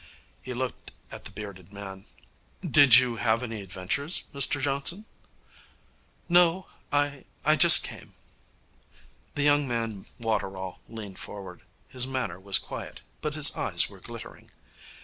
He looked at the bearded man. 'Did you have any adventures, Mr Johnson?' 'No. I I just came.' The young man Waterall leaned forward. His manner was quiet, but his eyes were glittering.